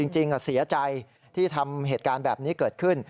จริงเสียใจที่ทำเหตุการณ์แบบนี้เกิดขึ้น